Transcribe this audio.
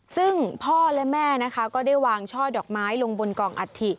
ซึ่งพ่อและแม่นะคะก็ได้วางช่อดอกไม้ลงบนกองอัฐิ